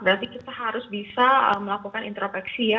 berarti kita harus bisa melakukan intropeksi ya